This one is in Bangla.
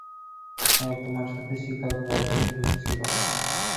হ্যাঁ, তোমার সাথে শিকাগোর অর্ধেক লোক ছিল।